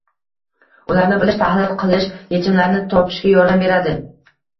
Ularni bilish, tahlil qilish yechimlarni topishga yordam beradi.